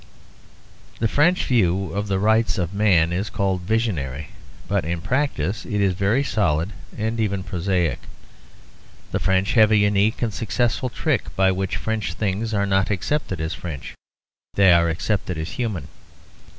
The French view of the Rights of Man is called visionary; but in practice it is very solid and even prosaic. The French have a unique and successful trick by which French things are not accepted as French. They are accepted as human.